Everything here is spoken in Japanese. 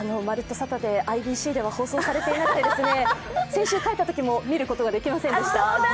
サタデー」、ＩＢＣでは放送されてなくて先週帰ったときも見ることができませんでした。